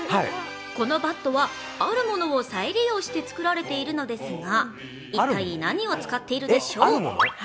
このバットは、あるものを再利用して作られているのですが、一体、何を使っているでしょう？